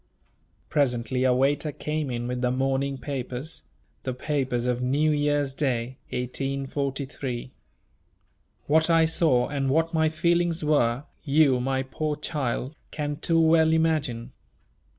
Presently a waiter came in with the morning papers, the papers of New Year's day, 1843. What I saw and what my feelings were, you, my poor child, can too well imagine.